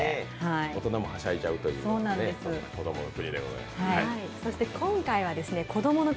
大人もはしゃいじゃうというね、こどもの国。